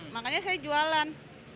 makanya saya jualan